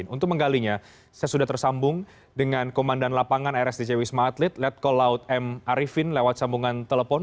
untuk menggalinya saya sudah tersambung dengan komandan lapangan rsdc wisma atlet letkol laut m arifin lewat sambungan telepon